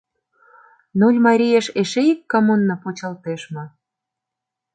— Нольмариеш эше ик коммуна почылтеш мо?